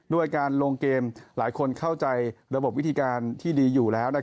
ด้วยการลงเกมหลายคนเข้าใจระบบวิธีการที่ดีอยู่แล้ว